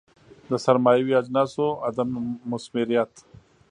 د سرمایوي اجناسو عدم مثمریت.